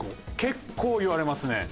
結構言われますね。